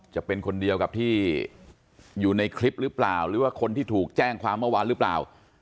จะเป็นคนเดียวกับที่อยู่ในคลิปหรือเปล่าหรือว่าคนที่ถูกแจ้งความเมื่อวานหรือเปล่า